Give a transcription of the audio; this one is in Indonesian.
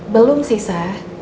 belum sih sa